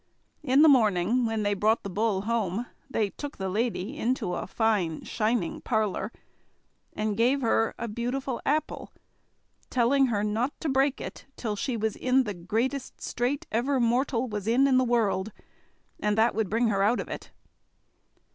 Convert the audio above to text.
In the morning, when they brought the Bull home, they took the lady into a fine shining parlour, and gave her a beautiful apple, telling her not to break it till she was in the greatest strait ever mortal was in the world, and that would bring her out of it.